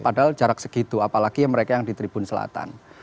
padahal jarak segitu apalagi mereka yang di tribun selatan